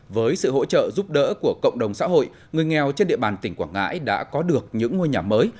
với sự hỗ trợ giúp đỡ của cộng đồng xã hội người nghèo trên địa bàn tỉnh quảng ngãi đã có được những ngôi nhà mới